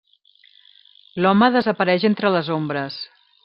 L'home desapareix entre les ombres.